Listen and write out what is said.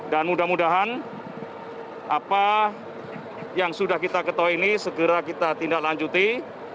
dan mudah mudahan apa yang sudah kita ketahui ini segera kita tindak lanjutkan